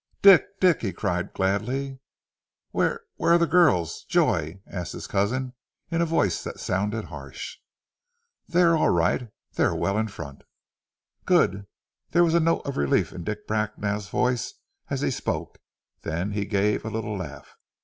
"Dick! Dick!" he cried gladly. "Where ... where ... are the girls ... Joy?" asked his cousin in a voice that sounded harsh. "They are all right. They are well in front!" "Good!" There was a note of relief in Dick Bracknell's voice, as he spoke, then he gave a little laugh.